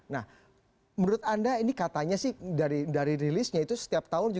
nah menurut anda ini katanya sih dari rilisnya itu setiap tahun